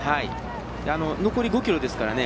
残り５ｋｍですからね